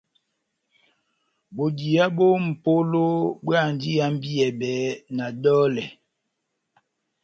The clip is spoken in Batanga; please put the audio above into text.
Bodiya bó mʼpola bóhándi ihambiyɛbɛ na dɔlɛ.